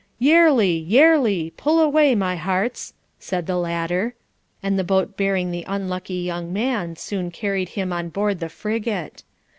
"Yarely! yarely! pull away, my hearts," said the latter, and the boat bearing the unlucky young man soon carried him on board the frigate.